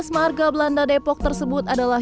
tiga belas marga belanda depok tersebut adalah